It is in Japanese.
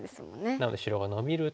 なので白がノビると。